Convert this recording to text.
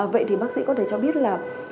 vậy thì bác sĩ có thể cho biết là